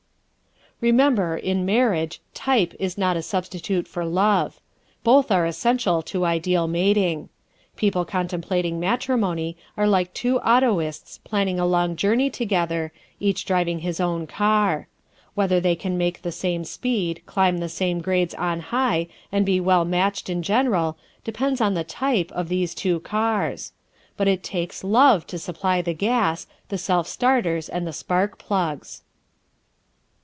_Remember, in marriage, TYPE is not a substitute for LOVE. Both are essential to ideal mating. People contemplating matrimony are like two autoists planning a long journey together, each driving his own car. Whether they can make the same speed, climb the same grades "on high" and be well matched in general, depends on the TYPE of these two cars. But it takes LOVE to supply the gas, the self starters and the spark plugs!